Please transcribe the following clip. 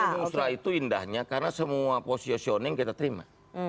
di musra itu indahnya karena semua positioning kita terima